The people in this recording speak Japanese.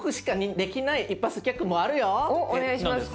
おっお願いします。